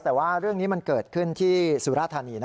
แต่ว่าเรื่องนี้มันเกิดขึ้นที่สุราธานี